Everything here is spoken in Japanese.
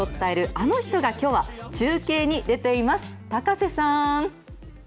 あの人がきょうは中継に出ています。